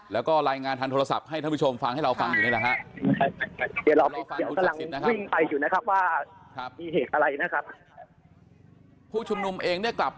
แล้วก็รายงานกับโทรศัพท์ท่านผู้ชมฟังให้เราฟังอยู่เลยครับ